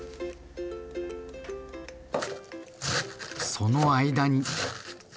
その間に。